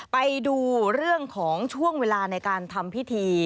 ไปดูเรื่องของช่วงเวลาในการทำพิธี